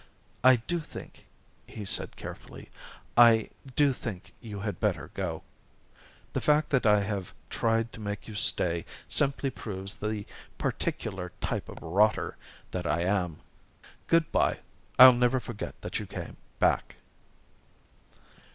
"I do think," he said carefully, "I do think you had better go. The fact that I have tried to make you stay simply proves the particular type of rotter that I am. Good by I'll never forget that you came back."